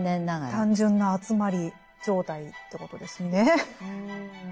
単純な集まり状態ということですね。